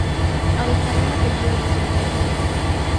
Adoptaría el apellido de su linaje materno.